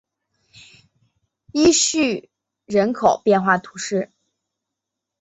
伊叙人口变化图示